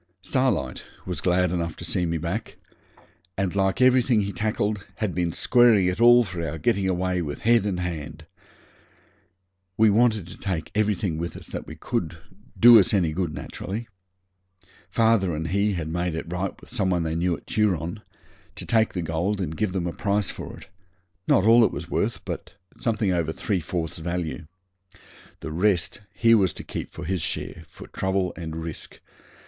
Starlight was glad enough to see me back, and like everything he tackled, had been squaring it all for our getting away with head and hand. We wanted to take everything with us that could do us any good, naturally. Father and he had made it right with some one they knew at Turon to take the gold and give them a price for it not all it was worth, but something over three fourths value. The rest he was to keep for his share, for trouble and risk.